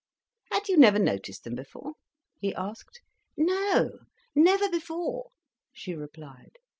"Had you never noticed them before?" he asked. "No, never before," she replied.